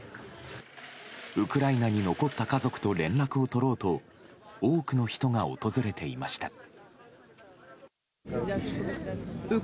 ウクライナに残った家族と連絡を取ろうと多くの人が訪れていました。